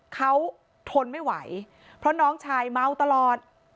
เขาทนไม่ไหวเพราะน้องชายเมาตลอด